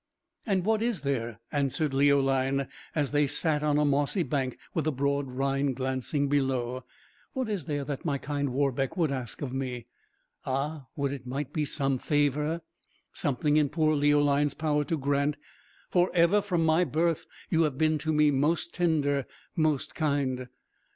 "And what is there," answered Leoline, as they sat on a mossy bank, with the broad Rhine glancing below, "what is there that my kind Warbeck would ask of me? Ah! would it might be some favour, something in poor Leoline's power to grant; for ever from my birth you have been to me most tender, most kind.